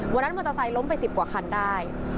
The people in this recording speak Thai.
วันนั้นมอเตอร์ไซค์ล้มไป๑๐กว่าคันได้